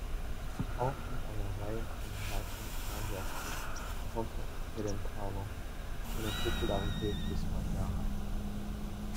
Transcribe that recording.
Auch mit einer Reihe von weiteren Fernsehauftritten konnte Celentano seine Popularität bis heute erhalten.